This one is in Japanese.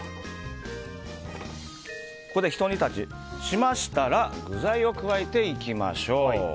ここでひと煮立ちしましたら具材を加えていきましょう。